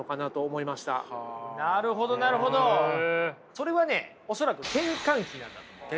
それはね恐らく転換期なんだと思います。